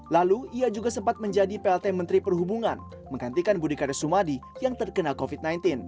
lalu ia juga sempat menjadi plt menteri perhubungan menggantikan budi karya sumadi yang terkena covid sembilan belas